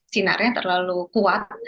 sinarnya terlalu kuat